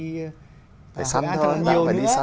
đã thật nhiều nữa